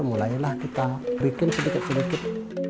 mulailah kita breaking sedikit sedikit